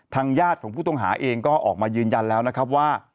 ญาติของผู้ต้องหาเองก็ออกมายืนยันแล้วนะครับว่า